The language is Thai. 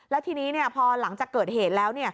แล้วทีนี้พอหลังจากเกิดเหตุแล้ว